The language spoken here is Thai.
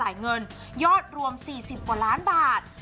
ยอดรวม๔๐กว่าล้านบาท